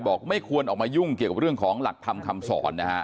ไม่ควรออกมายุ่งเกี่ยวกับเรื่องของหลักธรรมคำสอนนะฮะ